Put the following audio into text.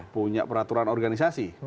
punya peraturan organisasi